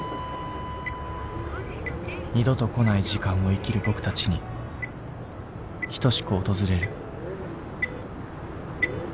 二度とこない時間を生きる僕たちに等しく訪れる。